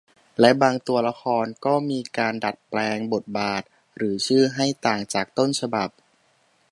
และบางตัวละครก็มีการดัดแปลงบทบาทหรือชื่อให้ต่างจากต้นฉบับ